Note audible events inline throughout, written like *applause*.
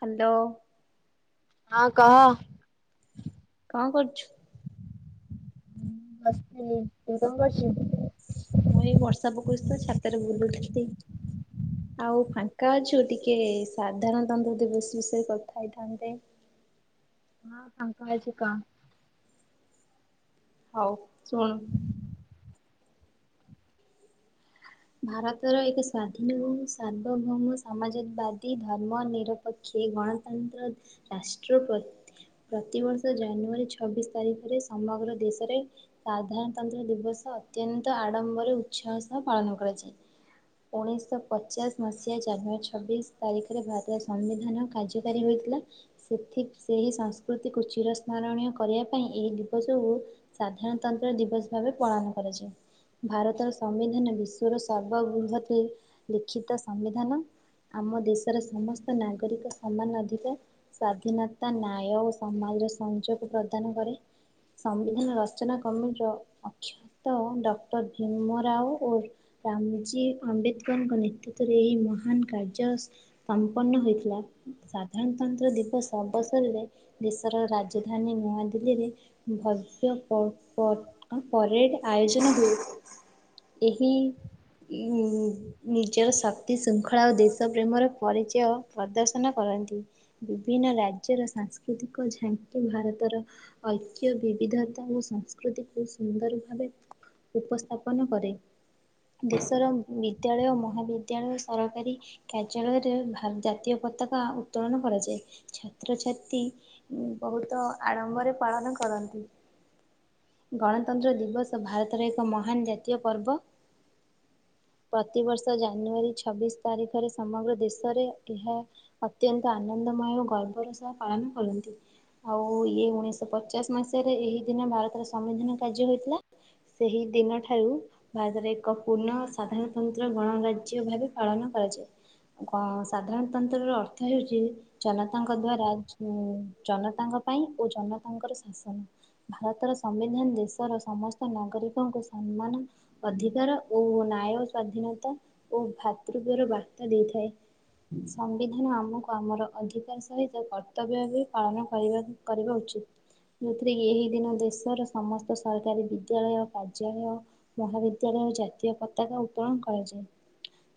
Hello. ହଁ କହ। କଣ କରୁଛୁ? ହଁ ମସ୍ଥିଲ ତୁ ବଷି। ମୁଁ ଏଇ ବର୍ଷା ପକଉ ତ ଛାତରେ ବୁଲୁଥିଲ। ଆଉ ଫାଙ୍କା ଅଛୁ ଟିକେ ସାଧାରଣତନ୍ତ୍ର ଦିବସ ବିଷୟରେ କଥା ହେଇଥାନ୍ତେ? ହଁ କଣ କହୁଛୁ କହ ହଉ ଶୁଣ। ଭାରତର ଏକ ସ୍ଵାଧୀନ ସାର୍ବଭୌମ ସମାଜବାଦୀ ଧର୍ମ ନିର ପକ୍ଷେ ଗଣତନ୍ତ୍ର ରାଷ୍ଟ୍ରପତି ପ୍ରତିବର୍ଷ ଜାନୁଆରୀ ଛବିଶ ତାରିଖରେ ସମଗ୍ର ଦେଶରେ ସାଧାରଣତନ୍ତ୍ର ଦିବସ ଅତ୍ୟନ୍ତ ଆଡମ୍ବର ଉତ୍ସାହ ସହ ପାଳନ କରାଯାଏ। ଉଣେଇଶହ ପଚାଶ ମସିହା ଜାନୁଆରୀ ଛବିଶ ତାରିଖରେ ଭାରତର ସମ୍ବିଧାନ କାର୍ଯ୍ୟକାରୀ ହୋଇଥିଲା। ସେଥି ସେହି ସଂସ୍କୃତିକୁ ଚିର ସ୍ମରଣୀୟ କରିବା ପାଇଁ ଏହି ଦିବସ କୁ ସାଧାରଣତନ୍ତ୍ର ଦିବସ ଭାବେ ପାଳନ କରାଯାଏ ଭାରତର ସମ୍ବିଧାନ ବିଶ୍ ସର୍ବବୃହ ଲିଖିତ ସମ୍ବିଧାନ ଆମ ଦେଶର ସମସ୍ତ ନାଗରିକ ସମାନ ଅଧିକାର। ସ୍ୱାଧୀନତା ନ୍ୟାୟ ଓ ସମାଜର ସଂଯୋଗ ପ୍ରଦାନ କରେ। ସମ୍ବିଧାନ ରଚନା କମିଟିର ଅଖତଃ ଡକ୍ଟର ଭୀମ ରାଓ ଓ ରାମଜୀ ଆମ୍ବେଦକରଙ୍କ ନେତୃତ୍ୱରେ ଏହି ମହାନ କାର୍ଯ୍ୟ ସମ୍ପନ୍ନ ହୋଇଥିଲା ସାଧାରଣତନ୍ତ୍ର ଦିବସ ଅବସରରେ ଦେଶର ରାଜଧାନୀ ନୂଆ ଦିଲ୍ଲୀରେ ଭବ୍ୟ ପ ପ ପରେଡ ଆୟୋଜନ ହୁଏ। ଏହି *inaudible* ନିଜର ଶକ୍ତି ଶୃଙ୍ଖଳା ଓ ଦେଶ ପ୍ରେମର ପରିଚୟ ପ୍ରଦର୍ଶନ କରନ୍ତି। ବିଭିନ୍ନ ରାଜ୍ୟର ସାଂସ୍କୃତିକ ଝାଙ୍କି ଭାରତର ଐକ୍ୟ ବିବିଧତା ଓ ସଂସ୍କୃତିକୁ ସୁନ୍ଦର ଭାବେ ଉପସ୍ଥାପନ କରେ। ଦେଶର ବିଦ୍ୟାଳୟ ମହାବିଦ୍ୟାଳୟ ସରକାରୀ କାର୍ଯ୍ୟାଳୟରେ ଭା ଜାତୀୟ ପତାକା ଉତ୍ତୋଳନ କରାଯାଏ ଛାତ୍ରଛାତ୍ରୀ ଉଁ ବହୁତ ଆଡ଼ମ୍ବରେ ପାଳନ କରନ୍ତି। ଗଣତନ୍ତ୍ର ଦିବସ ଭାରତର ଏକ ମହାନ୍ ଜାତୀୟ ପର୍ବ। ପ୍ରତିବର୍ଷ ଜାନୁଆରୀ ଛବିଶ ତାରିଖରେ ସମଗ୍ର ଦେଶରେ ଏହା ଅତ୍ୟନ୍ତ ଆନନ୍ଦମୟ ଓ ଗର୍ବର ସହ ପାଳନ କରନ୍ତି। ଆଉ ଇଏ ଉଣେଇଶ ପଚାଶ ମସିହାରେ ଏହି ଦିନ ଭାରତର ସମ୍ବିଧାନ କାର୍ଯ୍ୟ ହୋଇଥିଲା। ସେହି ଦିନଠାରୁ ଭାରତରେ ଏକ୍ ପୁନ ସାଧାରଣତନ୍ତ୍ର ଗଣରାଜ୍ୟ ଭାବେ ପାଳନ କରାଯାଏ। କଣ ସାଧାରଣତନ୍ତ୍ରର ଅର୍ଥ ହେଉଚି। ଜନତାଙ୍କ ଦ୍ଵାରା ଉଁ ଜନତାଙ୍କ ପାଇଁ ଓ ଜନତାଙ୍କର ଶାସନ। ଭାରତର ସମ୍ବିଧାନ ଦେଶର ସମସ୍ତ ନାଗରିକଙ୍କୁ ସମ୍ମାନ ଅଧିକାର ଓ ନାୟ ସ୍ଵାଧୀନତା ଓ ଭ୍ରୃତ୍ୱରବବାର୍ତ୍ତା ଦେଇଥାଏ। ସମ୍ବିଧାନ ଆମକୁ ଆମର ଅଧିକାର ସହିତ କର୍ତ୍ତବ୍ୟ ବି ପାଳନ କରିବା କରିବା ଉଚିତ୍‌। ଯୋଉଥିରେ କି ଏହି ଦିନ ଦେଶର ସମସ୍ତ ସରକାରୀ ବିଦ୍ୟାଳୟ, କାର୍ଯ୍ୟାଳୟ ମହାବିଦ୍ୟାଳୟ ଜାତୀୟ ପତାକା ଉତ୍ତୋଳନ କରାଯାଏ।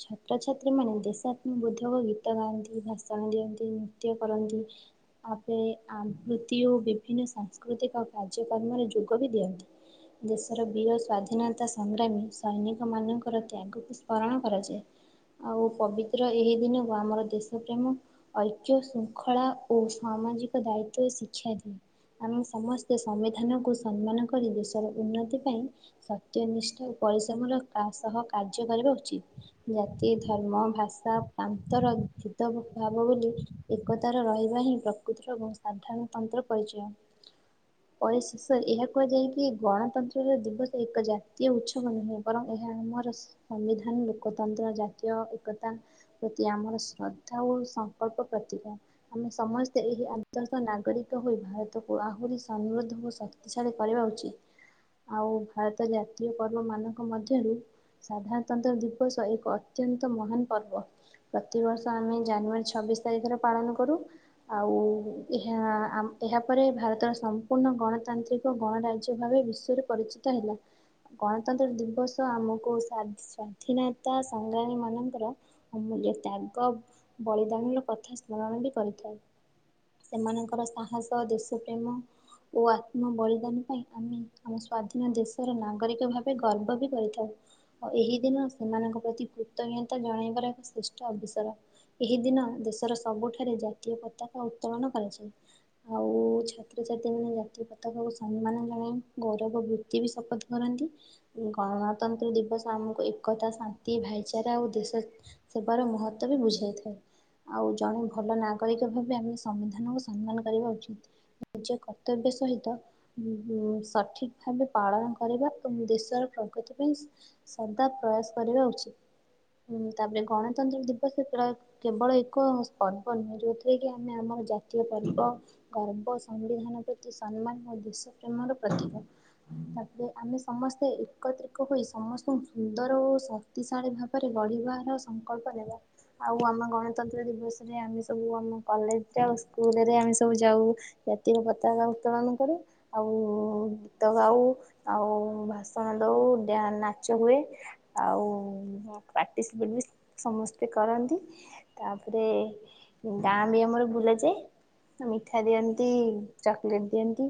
ଛାତ୍ରଛାତ୍ରୀ ମାନେ ଦେଶାତ୍ମ ବୋଧକ ଗୀତ ଗାଆନ୍ତି, ଭାଷଣ ଦିଅନ୍ତି, ନୃତ୍ୟ କରନ୍ତି ଆପେ ଆପୃତ୍ତି ଓ ବିଭିନ୍ନ ସାଂସ୍କୃତିକ କାର୍ଯ୍ୟକ୍ରମରେ ଯୋଗ ବି ଦିଅନ୍ତି। ଦେଶର ବୀର ସ୍ୱାଧୀନତା ସଂଗ୍ରାମୀ ସୈନିକ ମାନଙ୍କର ତ୍ୟାଗକୁ ସ୍ମରଣ କରାଯାଏ। ଆଉ ପବିତ୍ର ଏହି ଦିନକୁ ଆମର ଦେଶ ପ୍ରେମୀ ଐକ୍ୟ ଶୃଙ୍ଖଳା ଓ ସାମାଜିକ ଦାୟିତ୍ଵ ଶିକ୍ଷା ଦିଏ। ଆମେ ସମସ୍ତେ ସମ୍ବିଧାନକୁ ସମ୍ମାନ କରି ଦେଶର ଉନ୍ନତି ପାଇଁ ସତ୍ୟ, ନିିଷ୍ଠା ଓ ପରିଶ୍ରମର କା ସହ କାର୍ଯ୍ୟ କରିବା ଉଚିତ୍। ଜାତି, ଧର୍ମ, ଭାଷା, ପାନ୍ତର ଭେଦ, ଭାବ ଭୁଲି ଏକତାର ରହିବା ହିଁ ପ୍ରକୃତିର ଏବଂ ସାଧାରଣତନ୍ତ୍ର ପରିଚୟ। ଅଉ ଶେଷ ଏହା କୁହାଯାଏ କି ଗଣତନ୍ତ୍ରର ଦିବସ ଏକ ଜାତୀୟ ଉ ଉଁହୁଁ ବରଂ ଏହା ଆମର ସମ୍ବିଧାନ ଲୋକତନ୍ତ୍ର ଜାତୀୟ ଏକତା ପ୍ରତି ଆମର ଶ୍ରଦ୍ଧା ଓ ସଂକଳ୍ପ ପ୍ରତିକ। ଆମେ ସମସ୍ତେ ଏହି ଆଦର୍ଶ ନାଗରିକ ହୋଇ ଭାରତକୁ ଆହୁରି ସମୃଦ୍ଧ ଓ ସ ଇଚ୍ଛା ରେ କରିବା ଉଚିତ୍। ଆଉ ଭାରତ ଜାତୀୟ ପର୍ବ ମାନଙ୍କ ମଧ୍ୟରୁ ସାଧାରଣତନ୍ତ୍ର ଦିବସ ଏକ ଅତ୍ୟନ୍ତ ମହାନ୍ ପର୍ବ। ପ୍ରତିବର୍ଷ ଆମେ ଜାନୁଆରୀ ଛବିଶି ତାରିଖରେ ପାଳନ କରୁ। ଆଉ ଏହା ଆମ୍ ଏହାପରେ ଭାରତର ସମ୍ପୂର୍ଣ୍ଣ ଗଣତାନ୍ତ୍ରି ଏକ ଗଣରାଜ୍ୟ ଭାବେ ବିଶ୍ୱରେ ପରିଚିତ ହେଲା। ଗଣତନ୍ତ୍ର ଦିବସ ଆମକୁ ସାଧୀ ସ୍ଵାଧୀନତା ସଂଗ୍ରାମୀ ମାନଙ୍କର ଅମୂଲ୍ୟ ତ୍ୟାଗ ବଳିଦାନର କଥା ସ୍ମରଣ ବି କରିଥାଉ। ସେମାନଙ୍କର ସାହସ ଦେଶପ୍ରେମ ଓ ଆତ୍ମବଳିଦାନ ପାଇଁ ଆମେ ଆମ ସ୍ଵାଧୀନ ଦେଶର ନା ଗରିକ ଭାବେ ଗର୍ବ ବି କରିଥାଉ। ଆଉ ଏହି ଦିନ ସେମାନଙ୍କ ପ୍ରତି କୃତଜ୍ଞତା ଜଣାଇବାର ଏକ ଶ୍ରେଷ୍ଠ ଅବସର। ଏହି ଦିନ ଦେଶର ସବୁଠାରେ ଜାତୀୟ ପତାକା ଉତ୍ତୋଳନ କରାଯାଏ। ଆଉ ଛାତ୍ରଛାତ୍ରୀମାନେ ଜାତୀୟ ପତାକାକୁ ସମ୍ମାନ ଜଣାଇ ଗୌରବ ବୃତ୍ତି ବି ଶପଥ କରନ୍ତି। ଗଣତନ୍ତ୍ର ଦିବସ ଆମକୁ ଏକତା, ଶାନ୍ତି ଓ ଭାଇଚାରା ଆଉ ଦେଶ ସେବାର ମହତ୍ତ୍ବ ବି ବୁଝାଇଥାଏ। ଆଉ ଜଣେ ଭଲ ନାଗରିକ ଭାବେ ଆମେ ସମ୍ବିଧାନକୁ ସମ୍ମାନ କରିବା ଉଚିତ୍। ନିଜ କର୍ତ୍ତବ୍ୟ ସହିତ ଉଁ ଉଁ ସଠିକ୍ ଭାବେ ପାଳନ କରିବା ଏବଂ ଦେଶର ପ୍ରଗତି ପାଇଁ ସଦା ପ୍ରୟାସ କରିବା ଉଚିତ୍। ହୁଁ ତାପରେ ଗଣତନ୍ତ୍ର ଦିବସ ପ୍ରୟଗ କେବଳ ଏକ ପର୍ବ ନୁହେଁ ଯୋଉଥିରେ କି ଆମେ ଆମର ଜାତୀୟ ପର୍ବ ଗର୍ବ ସମ୍ବିଧାନ ପ୍ରତି ସମ୍ମାନ ଓ ଦେଶ ପ୍ରେମର ପ୍ରତୀକ। ଆମେ ସମସ୍ତେ ଏକତ୍ରିତ ହୋଇ ସମସ୍ତଙ୍କୁ ସୁନ୍ଦର ଓ ଶକ୍ତିଶାଳୀ ଭାବ ରେ ବଢିବାର ସଂକଳ୍ପ ନେବା। ଆଉ ଆମ ଗଣତନ୍ତ୍ର ଦିବସରେ ଆମେ ସବୁ ଆମ କଲେଜ୍‌ ରେ ଆଉ ସ୍କୁଲରେ ଆମେ ସବୁ ଯାଉ ଜାତୀୟ ପତାକା ଉତ୍ତୋଳନ କରୁ ଆଉ ଗୀତ ଗାଉ ଆଉ ଭାସଣ ଦୋଉ ନାଚ ହୁଏ। ଆଉ ପାର୍ଟିସିପେଟ୍ ବି ସମସ୍ତେ କରନ୍ତି। ତାପରେ ଗାଁ ବି ଆମର ବୁଲା ଯାଏ। ମିଠା ଦିଅନ୍ତି ଚକୋଲେଟ୍ ଦିଅନ୍ତି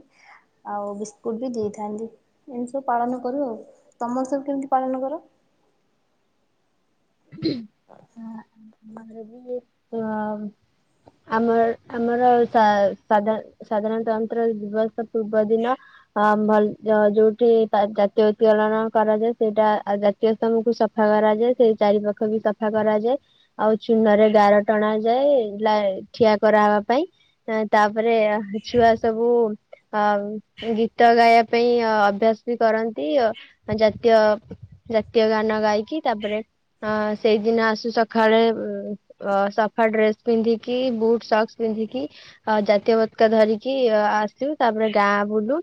ଆଉ ବିସ୍କୁଟ୍ ବି ଦେଇଥାନ୍ତି। ଏମିତି ସବୁ ପାଳନ କରୁ ଆଉ ତମର ସବୁ କେମିତି ପାଳନ କର? ଆ ଆମର ବି ଏକା ଆମର ଆମର ସା ସାଧା ସାଧାରଣତନ୍ତ୍ର ଦିବସ ପୂର୍ବ ଦିନ ହଁ ଭଲ ଯ ଯୋଉଠି ପା ଜାତୀୟ ଉତ୍ତଳୋନ କରାଯାଏ ସେଇଟା ଆଉ ଜା ତୀୟ ସ୍ତମ୍ଭକୁ ସଫା କରାଯାଏ ସେଇ ଚାରି ପାଖ ବି ସଫା କରାଯାଏ। ଆଉ ଚୂନରେ ଗାର ଟଣାଯାଏ ଲା ଠିଆ କରା ହବାପାଇଁ। ଏ ତାପରେ ଛୁଆ ସବୁ ଅ ଗୀତ ଗାଇବା ପାଇଁ ଅ ଅଭ୍ୟାସ ବି କରନ୍ତି ଅ ଜାତୀୟ ଜାତୀୟ ଗାନ ଗାଇ କି ତାପରେ ଅ ସେଇଦିନ ଆସୁ ସଖାଳେ ଉଁ ଅ ସଫା ଡ୍ରେସ୍ ପିନ୍ଧିକି ବୁଟ ସକ୍ସ ପିନ୍ଧିକି ଅ ଜାତୀୟ ପତକା ଧରିକି ଆସୁ ତାପରେ ଗାଁ ବୁଲୁ।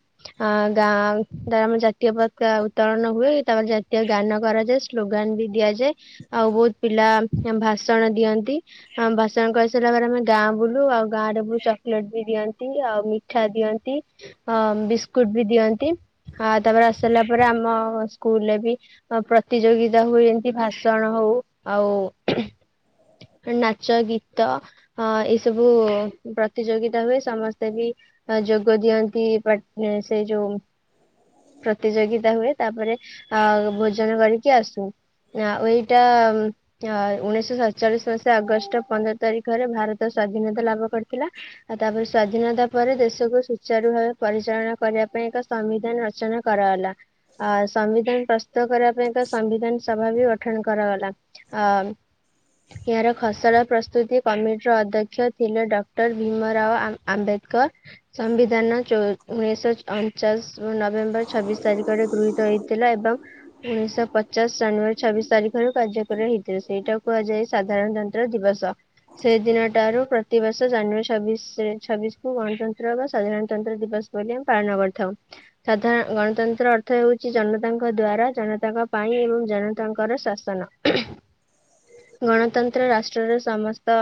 ଅଁ ଗାଁ ଉ ଦ୍ୱାରା ଆମର ଜାତୀୟ ପତାକା ଉତ୍ତୋଳନ ହୁଏ ତାପରେ ଜାତୀୟ ଗାନ କରାଯାଏ। ସ୍ଲୋଗାନ ବି ଦିଆଯାଏ ଆଉ ବୋହୁତ ଏ ଆମ ପିଲା ଭାଷଣ ଦିଅନ୍ତି ଆଁ ଭାଷଣ କହିସ୍ ସାଇଲା ପରେ ପୁଣି ଗାଁ ବୁଲୁ ଆଉ ଗାଁରେ ବି ଚକଲେଟ ବି ଦିଅନ୍ତି। ନ୍ତି ଆଉ ମିଠା ଦିଅନ୍ତି ହଁ ବିସ୍କୁଟ ବି ଦିଅନ୍ତି। ହଁ ତାପରେ ଆସି ସାରିଲା ପରେ ଆମ ସ୍କୁଲରେ ବି ହଁ ପ୍ରତିଯୋଗିତା ହୁଏ ଏମତି ଭାଷ ଜଣ ହୋଉ ଆଉ ନାଚ ଗୀତ ହଁ ଏଇ ସବୁ ପ୍ରତିଯୋଗିତା ହୁଏ ସମସ୍ତେ ବି ହଁ ଯୋଗ ଦିଅନ୍ତି ପା ସେଇ ଯୋଉ ପ୍ରତିଯୋଗିତା ହୁଏ ତାପରେ ଆ ଭୋଜନ କରିକି ଆସୁ। ଓ ଏଇଟା ଉମ୍ ଅଁ ଉଣେଇଶହ ସରଚାଳିଶ ମସିହା ଅଗଷ୍ଟ ପନ୍ଦର ତାରିଖରେ ଭାରତ ସ୍ବଧୀନତା ଲାଭ କରିଥିଲା। ଆଉ ତାପରେ ସ୍ଵାଧୀନତା ପରେ ଦେଶକୁ ସୁଚାରୁ ଭାବେ ପରିଚାଳନା କରିବା ପାଇଁ ଏକ ସମ୍ବିଧାନ ରଚନା କରାଗଲା ଆଉ ସମ୍ବିଧାନ ପ୍ରସ୍ତୁତ କରିବା ପାଇଁ ତ ସମ୍ବିଧାନ ସଭା ବି ଗ ଗଠନ କରାଗଲା ଅ ଏହାର ଖସଡ଼ା ପ୍ରସ୍ତୁତି କମିଟିର ଅଧ୍ୟକ୍ଷ ଥିଲେ ଡକ୍ଟର ଭୀମ ରାଓ ଆମ ଆମ୍ବେଦ କର ସମ୍ବିଧାନ ଚୋ ଉଣେଇଶ ଅଣଚାଶ ନଭେମ୍ବର ଛବିଶ ତାରିଖରେ ଗୃହୀତ ହେଇଥିଲା ଏବଂ ଉଣେଇଶ ପଚାଶ ଜାନୁୟାର୍ ଛବିଶ ତାରିଖରୁ କାର୍ଯ୍ୟକାରୀ ହେଇଥିଲା ସେଇଟାକୁ କୁହାଯାଏ ସାଧାରଣତନ୍ତ୍ର ଦିବସ। ସେଇ ଦିନଟାରୁ ପ୍ରତିବର୍ଷ ଜାନୁୟରୀ ଛବିଶରେ ଛବିଶକୁୁ ଗଣତନ୍ତ୍ର ବା ସାଧାରଣତନ୍ତ୍ର ଦିବସ ବୋଲି ଆମେ ପାଳନ କରିଥାଉ। ସାଧାରଣ ଗଣତନ୍ତ୍ର ଅର୍ଥ ହେଉଚି ଜନତାଙ୍କ ଦ୍ଵାରା ଜନତାଙ୍କ ପାଇଁ ଏବଂ ଜନ ତାଙ୍କର ଶାସନ ଗଣତନ୍ତ୍ର ରାଷ୍ ଟ୍ରର ସମସ୍ତ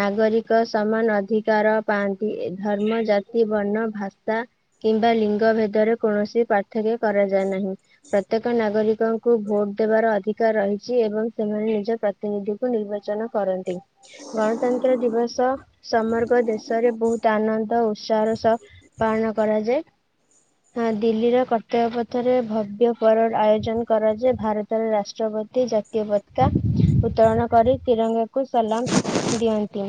ନାଗରିକ ସମାନ ଅଧିକାର ପାଆନ୍ତି ଏ ଧର୍ମ, ଜାତି, ବର୍ଣ୍ଣ, ଭାଷା, କିମ୍ବା ଲିଙ୍ଗ ଭେଦରେ କୌଣସି ପା ର୍ଥକ୍ୟ କରାଯାଏ ନାହିଁ ପ୍ରତ୍ୟେକ ନାଗରିକଙ୍କୁ ଭୋଟ ଦେବାର ଅଧିକାର ରହିଚି ଏବଂ ସେମାନେ ନିଜ ପ୍ରତିନିଧିକୁ ନିର୍ବାଚନ କରନ୍ତି ଗଣତନ୍ତ୍ର ଦିବସ ସମଗ୍ର ଦେଶରେ ବୋହୁତ ଆନନ୍ଦ ଉ ତ୍ସାହର ସହ ପାଳନ କରାଯାଏ। ହଁ ଦିଲ୍ଲୀର କର୍ତ୍ତବ୍ୟ ପଥରେ ଭବ୍ୟ ପରଡ ଆୟୋଜନ କରାଯାଏ ଭାରତ୍ ତର ରାଷ୍ଟ୍ରପତି ଜାତୀୟ ପତାକା ଉତ୍ତୋଳନ କରି ତ୍ରିରଙ୍ଗାକୁ ସଲାମ ଦିଅନ୍ତି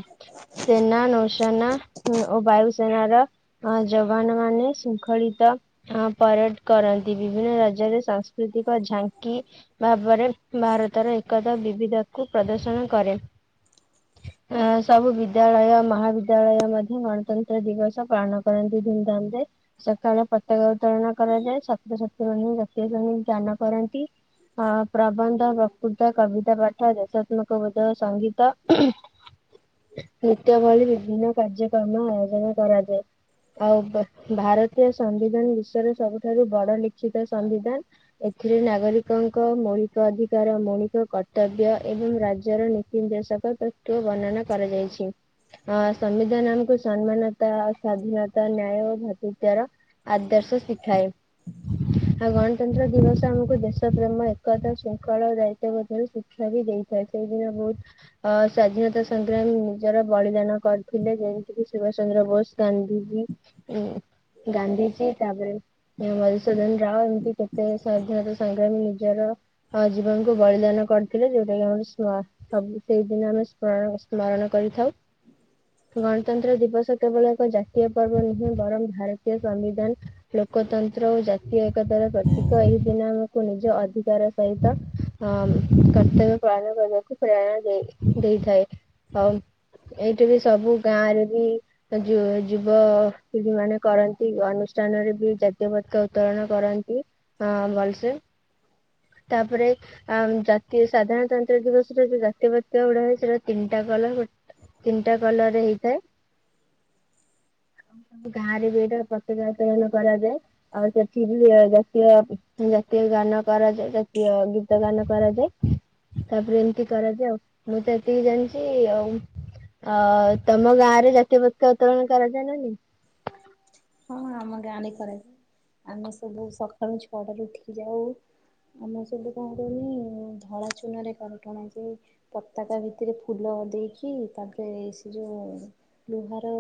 ସେନା ନୌସେନା ହୁଁ ଓ ବାୟୁସେନାର ଅ ଜବାନ ମାନେ ଶୃଙ୍ଖଳିତ ହଁ ପରେଡ କରନ୍ତି ବିଭିନ୍ନ ରାଜ୍ୟରେ ସାଂସ୍କୃତିକ ଝାଙ୍କି ଭାବରେ ଭାରତର ଏକତା ବିବିଧକୁ ପ୍ରଦର୍ଶନ କରେ। *inaudible* ଆଁ ସବୁ ବିଦ୍ୟାଳୟ ମହାବିଦ୍ୟାଳୟ ମଧ୍ୟ ଗଣତନ୍ତ୍ର ଦିବସ ପାଳନ କରନ୍ତି ଧୁମଧାମରେ। ସକାଳ ପତକା ଉତ୍ତୋଳନ କରାଯାଏ ଛାତ୍ର ଛାତ୍ରୀମାନେ ଜାତୀୟ ସଙ୍ଗୀତ ଗାନ କରନ୍ତି। ହଁ ପ୍ରବନ୍ଧ, ପ୍ରକୃତ କବିତା ପାଠ, ଦେଶତ୍ମକ ବୋଧ ସଙ୍ଗୀତ ନୃତ୍ୟ ଭଳି ବିଭିନ୍ନ କାର୍ଯ୍ୟକ୍ରମ ଆୟୋଜନ କରାଯାଏ। ଆଉ ଭାରତୀୟ ସମ୍ବିଧାନ ବିଶ୍ଵର ସବୁଠାରୁ ବଡ ଲିଖିତ ସମ୍ବିଧାନ। ଏଥିରେ ନାଗରିକ କଙ୍କ ମୌଳିକ ଅଧିକାର ମୌଳିକ କର୍ତ୍ତବ୍ୟ ଏବଂ ରାଜ୍ୟର ନୀତି ନିର୍ଦ୍ଦେଶକ ତ ତୋ ବର୍ଣ୍ଣନା କରାଯାଇଛି। ଅ ସମ୍ବିଧାନ ଆମକୁ ସମ୍ମାନତା ସ୍ୱାଧୀନତା ନ୍ୟାୟ ଓ ଭାତୃତ୍ୱର ଆଦର୍ଶ ଶିଖାଏ ଆଉ ଗଣତନ୍ତ୍ର ଦିବସ ଆମକୁ ଦେଶ ଦେଶପ୍ରେମ ଏକତା ଶୃଙ୍ଖଳ ଓ ଦାୟିତ୍ୱବୋଧର ଶିକ୍ଷା ବି ଦେଇଥାଏ ସେଇଦିନ ବହୁତ ଅ ସ୍ଵାଧୀନତା ସଂଗ୍ରାମୀ ନିଜର ବଳିଦାନ କରିଥିଲେ ଯେମିତିକି ସୁଭାଷ ଚନ୍ଦ୍ର ବୋଷ ଗାନ୍ଧୀଜୀ ଉଁ ଗାନ୍ଧିଜୀ ତାପରେ ମଧୁସୂଦନ ରାଓ ଏମିତି କେତେ ସ୍ୱାଧୀନତା ସ ସଂଗ୍ରାମୀ ନିଜର ଜୀବନକୁ ବଳିଦାନ କରିଥିଲେ ଯୋଉଟା କିି ଆମର ସ୍ୱା ସବୁ ସେଇଦିନ ଆମେ ସ୍ମରଣ ସ୍ମରଣ କରିଥାଉ। ଗଣତନ୍ତ୍ର ଦିବସ କେବଳ ଏକ ଜାତୀୟ ପର୍ବ ନୁହେଁ ବରଂ ଭାରତୀୟ ସମ୍ବିଧାନ ଲୋକତନ୍ତ୍ର ଓ ଜାତୀୟ ଏକତାର ପ୍ରତୀକ ଏହି ଦିନ ଆମ କୁ ନିଜ ଅଧିକାର ସହିତ ଅ କର୍ତ୍ତବ୍ୟ ପାଳନ କରିବାକୁ ପ୍ରେରଣା ଦେଇ ଦେଇଥାଏ ଅ ଏଇଠି ବି ସବୁ ଗାଁ ରେ ବି ତ ଯୁବପିଢିୀ ମାନେ କରନ୍ତି ଅନୁଷ୍ଠାନରେ ବି ଜାତୀୟ ପତାକା ଉତ୍ତୋଳନ କରନ୍ତି। ହଁ ଭଲସେ? ତାପରେ ଆ ଜାତୀୟ ସାଧାରଣତନ୍ତ୍ର ଦିବସରେ ଯୋଉ ଜାତୀୟ ପତକା ଉଡାଯାଏ ସେଟା ତିନିଟା କଲର ତିନିଟା କଲରରେ ହେଇଥାଏ। *inaudible* ସବୁ ଗାଁରେ ବି ଏଇଟା ପତକା ଉତ୍ତୋଳନ କରାଯାଏ ଆଉ ସେଠି ବି ଜା ଜାତୀୟ ଜାତୀୟ ଗାନ କରାଯାଏ ଜାତୀୟ ଗୀତ ଗାନ କରାଯାଏ। ତାପରେ ଏମିତି କରାଯାଏ ଆଉ ମୁଁ ତ ଏତିକି ଜାଣିଛି ଆଉ ଅ ତମ ଗାଁ ରେ ଜାତୀୟ ପତକା ଉତ୍ତୋଳନ କରାଯାଏ ନାଁ ନାହିଁ? ହଁ ଆମ ଗାଁ ରେ କରାଯାଏ। ଆମେ ସବୁ ସକାଳୁ ଛଅଟାରୁ ଉଠିକି ଯାଉ। ଆମ ସେଠୁ କଣ କୁହନି ଧଳା ଚୂନରେ ଗାର ଟଣାଯାଏ। ପତାକା ଭିତରେ ଫୁଲ ଦେଇକି ତାପରେ ସେ ଯୋଉ ଲୁହାର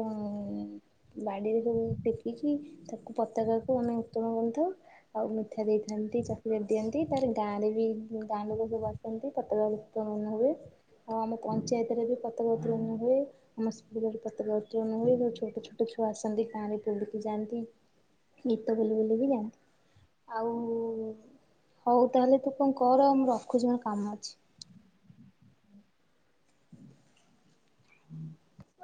ବାଡ଼ିରେ ସବୁ ଟେକିକି ତାକୁ ପତକାକୁ ଆମେ ଉତଳନ କରିଥାଉ। ଆଉ ମିଠା ଦେଇଥାନ୍ତି ଚକଲଟେ ଦିଅନ୍ତି ତାପରେ ଗାଁରେ ବି ଗାଁ ଲୋକ ସବୁ ଆସ ଆସନ୍ତି ପତକା ଉତ୍ତୋଳନ ହୁଏ। ଆଉ ଆମ ପଞ୍ଚାୟତରେ ବି ପତକା ଉତୋଳନ ହୁଏ ଆମ ସ୍କୁଲରେ ପତକା ଉତ୍ତୋଳନ ହୁଏ ସବୁ ଛୋଟ ଛୋଟ ଛୋଟ ଛୁଆ ଆସନ୍ତି ଗାଁ ରେ ପୁଲିକି ଯାଆନ୍ତି ଗୀତ ବୋଲି ବୋଲି କି ଯାଆନ୍ତି। ଆଉ ହଉ ତାହେଲେ ତୁ କଣ କର ଆଉ ମୁଁ ରଖୁଛି ମୋର କାମ ଅଛି। *unintelligible*